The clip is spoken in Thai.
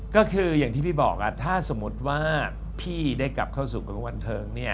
ก็คืออย่างที่พี่บอกถ้าสมมติว่าพี่ได้กลับเข้าสู่วงบันเทิง